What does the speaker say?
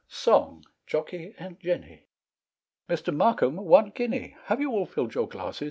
Song Jocky and Jenny, "Mr. Markham, one guinea." "Have you all filled your glasses?"